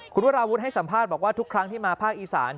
คุณวราวุฒิให้สัมภาษณ์บอกว่าทุกครั้งที่มาภาคอีสาน